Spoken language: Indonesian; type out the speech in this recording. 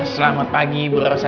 selamat pagi bu rosa